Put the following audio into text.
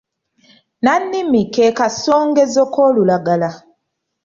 Nnannimi ke kasongezo k’olulagala.